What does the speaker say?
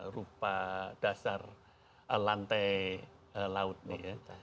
rupa dasar lantai laut nih ya